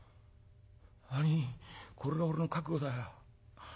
「兄ぃこれが俺の覚悟だよ。